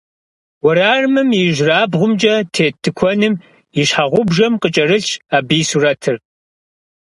Уэрамым и ижьрабгъумкӀэ тет тыкуэным и щхьэгъубжэм къыкӀэрылъщ абы и сурэтыр.